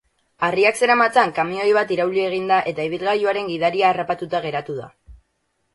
Harriak zeramatzan kamioi bat irauli egin da eta ibilgailuaren gidaria harrapatuta geratu da.